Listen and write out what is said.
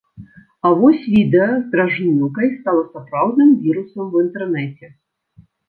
А вось відэа з дражнілкай стала сапраўдным вірусам у інтэрнэце.